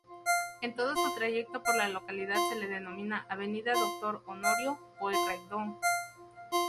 En todo su trayecto por la localidad se la denomina "Avenida Doctor Honorio Pueyrredón".